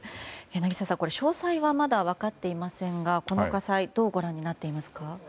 柳澤さん、詳細はまだ分かっていませんがこの火災どうご覧になっていますか？